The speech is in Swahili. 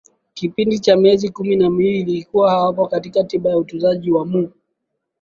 kipindi cha miezi kumi na miwili ikiwa hawapo katika tiba ya utunzaji na mu